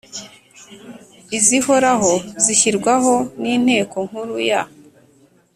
izihoraho zishyirwaho n Inteko Nkuru ya